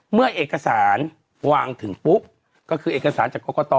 เมื่อเอกสารวางถึงปุ๊บก็คือเอกสารจากกรกต